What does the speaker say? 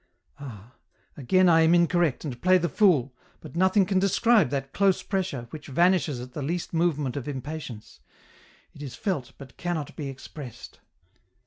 Ah ! again I am incorrect, and play the fool, but nothing can describe that close pressure, which vanishes at the least movement of impatience — it is felt but cannot be expressed.